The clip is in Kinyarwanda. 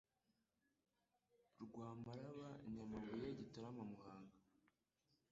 Rwamaraba Nyamabuye Gitarama Muhanga